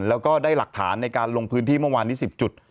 แล้วก็ได้หลักฐานในการลงพื้นที่เมื่อวานนี้๑๐จุด